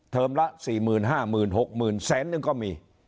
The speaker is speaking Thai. เทอมละสี่หมื่นห้าหมื่นหกหมื่นแสนหนึ่งก็มี